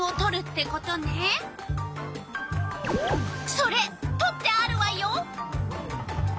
それとってあるわよ！